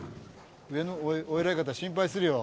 上のお偉い方心配するよ。